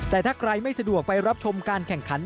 แต่ถ้าใครไม่สะดวกไปรับชมการแข่งขัน